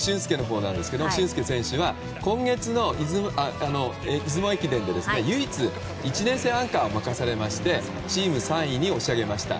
弟の駿恭選手は今月の出雲駅伝で唯一１年生アンカーを任されましてチームを３位に押し上げました。